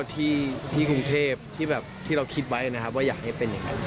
ที่กรุงเทพฯที่เรามีคิดว่าอยากให้เป็นอย่างนี้